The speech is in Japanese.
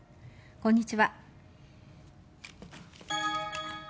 こんにちは。